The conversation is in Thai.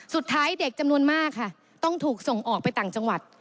สุดท้ายเด็กจำนวนมากค่ะต้องถูกส่งออกไปต่างจังหวัด